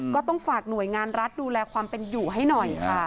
ก็ต้องฝากหน่วยงานรัฐดูแลความเป็นอยู่ให้หน่อยค่ะ